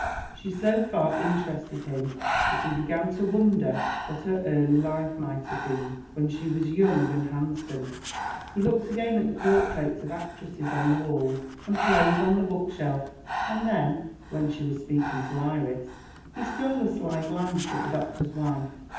She so far interested him, that he began to wonder what her early life might have been, when she was young and handsome. He looked again at the portraits of actresses on the walls, and the plays on the bookshelf and then (when she was speaking to Iris) he stole a sly glance at the doctor's wife.